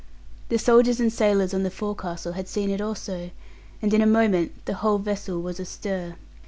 The soldiers and sailors on the forecastle had seen it also, and in a moment the whole vessel was astir.